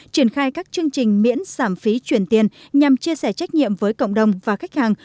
triển khai các chương trình miễn giảm phí chuyển tiền nhằm chia sẻ trách nhiệm với cộng đồng và khách hàng